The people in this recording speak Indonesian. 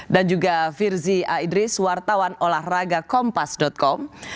dan juga firzi a idris wartawan olahragakompas com